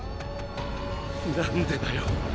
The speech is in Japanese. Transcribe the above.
何でだよ